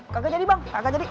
kagak jadi bang kagak jadi